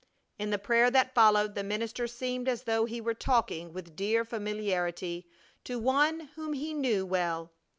In the prayer that followed the minister seemed as though he were talking with dear familiarity to One whom he knew well.